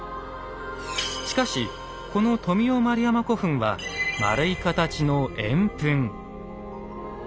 しかしこの「富雄丸山古墳」は円い形の「円墳」。